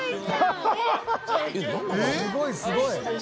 すごいすごい！